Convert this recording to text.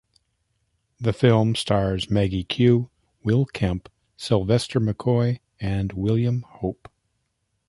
The film stars Maggie Q, Will Kemp, Sylvester McCoy and William Hope.